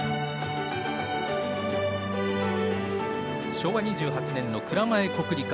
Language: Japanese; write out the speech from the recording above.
昭和２８年の蔵前国技館。